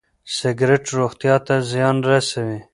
سګرټ روغتيا ته زيان رسوي.